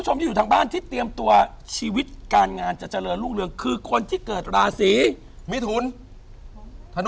หลังวันที่๕๖กันยามาดูกัน